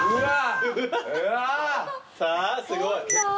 さあすごい。